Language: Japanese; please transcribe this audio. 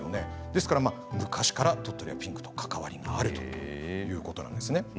ですから昔から鳥取はピンクとかかわりがあるということなんです。